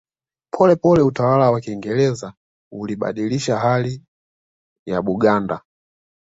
Polepole utawala wa Kiingereza ulibadilisha hali ya Buganda